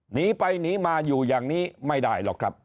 หนีไปหนีมาอยู่อย่างนี้ไม่ได้หรอกครับ